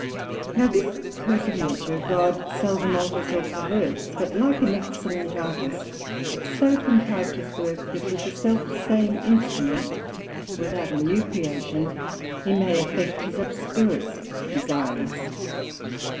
Now this course of Nature God seldome alters or perverts, but like an excellent Artist hath so contrived his work, that with the self same instrument, without a new creation, he may effect his obscurest designs.